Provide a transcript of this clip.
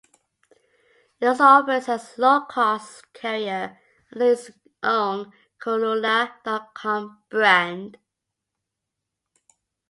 It also operates as a low-cost carrier under its own kulula dot com brand.